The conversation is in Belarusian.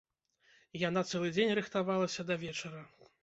Яна цэлы дзень рыхтавалася да вечара.